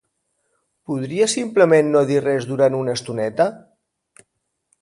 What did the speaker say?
Podries simplement no dir res durant una estoneta?